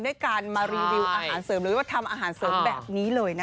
ด้วยการมารีวิวอาหารเสริมหรือว่าทำอาหารเสริมแบบนี้เลยนะคะ